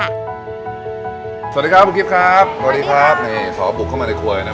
ครับสวัสดีครับครับสวัสดีครับนี่สอบบุกเข้ามาในครัวเนี้ย